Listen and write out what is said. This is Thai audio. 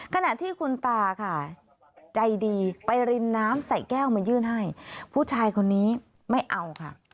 ขณะที่คุณตาค่ะใจดีไปริมน้ำใส่แก้วมายื่นให้ผู้ชายคนนี้ไม่เอาค่ะ